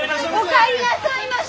お帰りなさいまし！